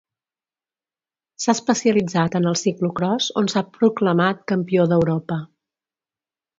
S'ha especialitzat en el ciclocròs on s'ha proclamat Campió d'Europa.